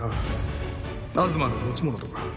東の持ち物とか。